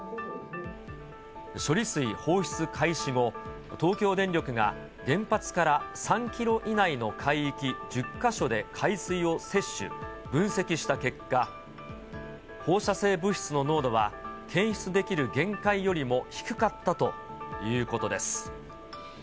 処理水放出開始後、東京電力が原発から３キロ以内の海域１０か所で海水をせっしゅ、分析した結果、放射性物質の濃度は検出できる限界よりも低かったということです。